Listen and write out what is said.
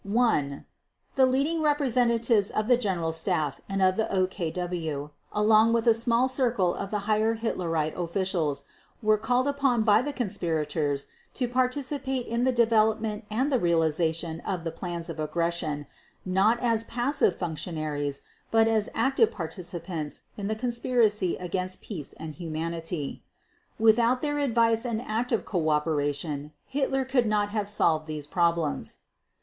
1. _The leading representatives of the General Staff and of the OKW, along with a small circle of the higher Hitlerite officials, were called upon by the conspirators to participate in the development and the realization of the plans of aggression, not as passive functionaries, but as active participants in the conspiracy against peace and humanity._ Without their advice and active cooperation, Hitler could not have solved these problems.